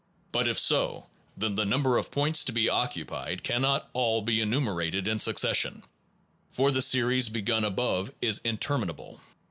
But if so, then the number of points to be occupied cannot all be enumerated in succession, for the series begun above is inter minable.